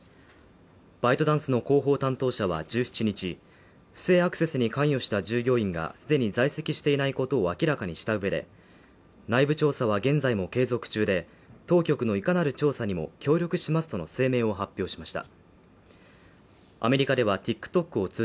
バイトダンスの広報担当者は１７日、不正アクセスに関与した従業員が既に在籍していないことを明らかにしたうえで内部調査は現在も継続中で当局のいかなる調査にも協力しますとの声明を発表しました。